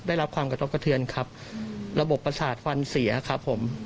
ได้รับความกระทบกระเทือนครับระบบประสาทฟันเสียครับผม